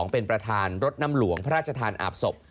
เป็นประธานรถน้ำหลวงพระราชทานอาบศพ